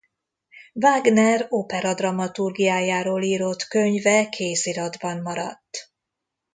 Wagner opera-dramaturgiájáról írott könyve kéziratban maradt.